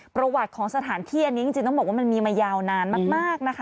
ประวัติของสถานที่อันนี้จริงต้องบอกว่ามันมีมายาวนานมากนะคะ